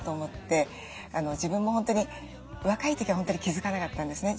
自分も本当に若い時は本当に気付かなかったんですね。